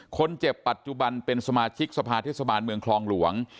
คนเจ็บปัจจุบันเป็นสมาชิกสภาเทศบาลเมืองคลองหลวง